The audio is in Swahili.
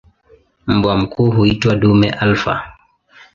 Mbwa mkuu huitwa "dume alfa".